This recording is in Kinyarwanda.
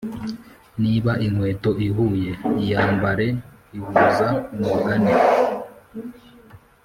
niba inkweto ihuye, iyambare ihuza umugani